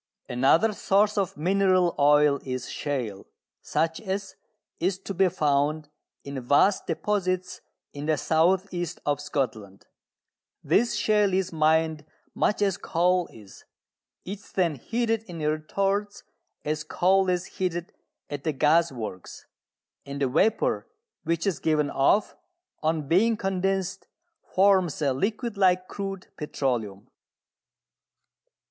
Another source of mineral oil is shale, such as is to be found in vast deposits in the south east of Scotland. This shale is mined much as coal is: it is then heated in retorts as coal is heated at the gas works: and the vapour which is given off, on being condensed, forms a liquid like crude petroleum.